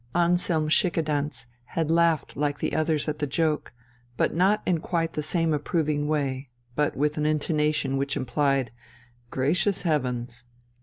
Anselm Schickedanz had laughed like the others at the joke, but not in quite the same approving way, but with an intonation which implied, "Gracious heavens!"